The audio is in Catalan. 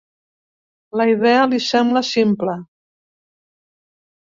La idea li sembla simple.